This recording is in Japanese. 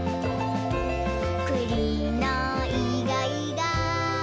「くりのいがいが」